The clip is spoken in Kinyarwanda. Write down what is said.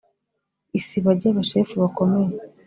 isiba ry abashefu bakomeye